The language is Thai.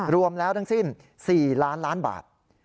รวมแล้วทั้งสิ้น๔ล้านล้านบาท